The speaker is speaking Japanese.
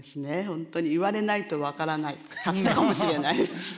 本当に言われないと分からなかったかもしれないです。